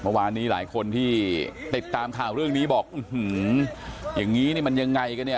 เมื่อวานนี้หลายคนที่ติดตามข่าวเรื่องนี้บอกอื้อหืออย่างนี้นี่มันยังไงกันเนี่ย